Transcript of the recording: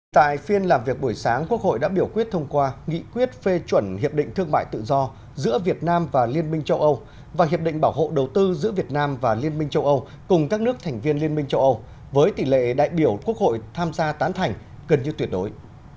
tại phiên làm việc buổi sáng quốc hội đã biểu quyết thông qua nghị quyết phê chuẩn hiệp định thương mại tự do giữa việt nam và liên minh châu âu và hiệp định bảo hộ đầu tư giữa việt nam và liên minh châu âu cùng các nước thành viên liên minh châu âu với tỷ lệ đại biểu quốc hội tham gia tán thành gần như tuyệt đối